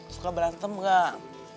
suka berlantem gak